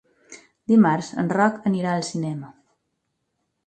Dimarts en Roc anirà al cinema.